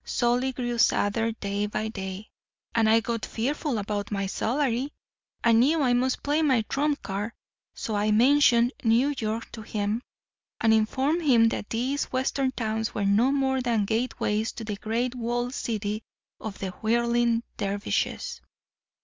Solly grew sadder day by day. And I got fearful about my salary, and knew I must play my trump card. So I mentioned New York to him, and informed him that these Western towns were no more than gateways to the great walled city of the whirling dervishes.